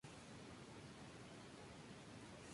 Cordero y su hermano regresaron a San Juan.